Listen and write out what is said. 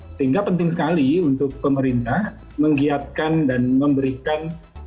sehingga penting sekali untuk pemerintah menggiatkan dan memberikan